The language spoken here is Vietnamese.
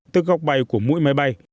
tức góc bay của mũi máy bay